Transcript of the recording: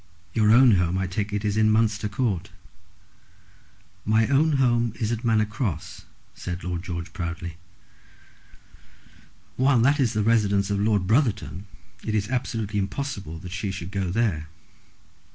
Your own home I take it is in Munster Court." "My own home is at Manor Cross," said Lord George, proudly. "While that is the residence of Lord Brotherton it is absolutely impossible that she should go there.